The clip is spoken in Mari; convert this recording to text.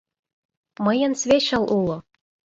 Мыйын свечыл уло!